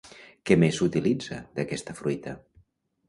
Què més s'utilitza d'aquesta fruita?